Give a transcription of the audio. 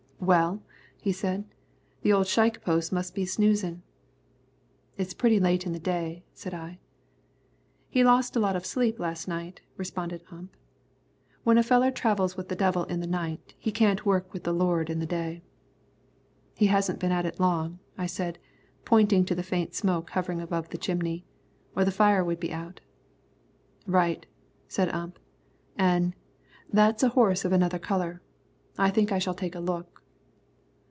"Well," he said, "the old shikepoke must be snoozin'." "It's pretty late in the day," said I. "He lost a lot of sleep last night," responded Ump. "When a feller travels with the devil in the night, he can't work with the Lord in the day." "He hasn't been at it long," said I, pointing to the faint smoke hovering above the chimney; "or the fire would be out." "Right," said Ump. "An, that's a horse of another colour. I think I shall take a look."